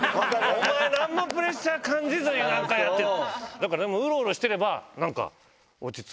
お前、なんのプレッシャーも感じずになんかやってる。